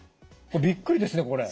びっくりですねこれ。